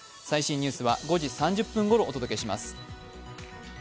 最新ニュースは５時３０分ごろ、お届けします。